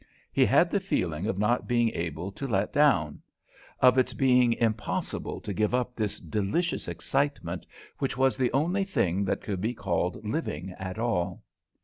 He had the feeling of not being able to let down; of its being impossible to give up this delicious excitement which was the only thing that could be called living at all.